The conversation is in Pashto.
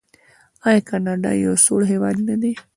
آیا کاناډا یو سوړ هیواد نه دی؟